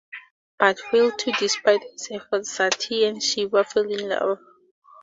But failed for despite his efforts Sati and Shiva fell in love.